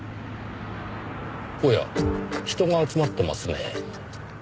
おや人が集まってますねぇ。